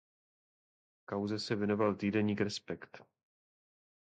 Kauze se věnoval týdeník Respekt.